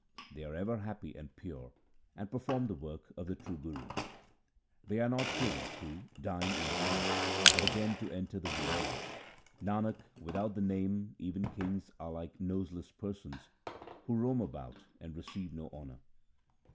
They are ever happy and pure, and perform the work of the true Guru. They are not kings who, dying in the fight, have again to enter the womb. 1 Nanak, without the Name even kings are like noseless persons who roam about and receive no honour.